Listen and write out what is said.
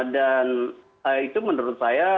dan itu menurut saya